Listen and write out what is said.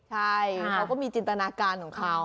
ใช่เขาก็มีจินตนาการของเขา